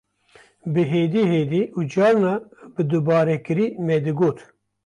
Bi hêdê hêdî û carna bi dubarekirî me digot